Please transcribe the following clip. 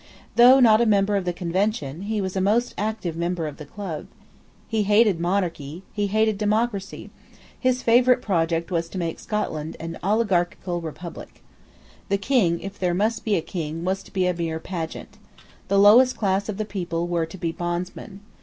Though not a member of the Convention, he was a most active member of the Club, He hated monarchy: he hated democracy: his favourite project was to make Scotland an oligarchical republic. The King, if there must be a King, was to be a mere pageant. The lowest class of the people were to be bondsmen.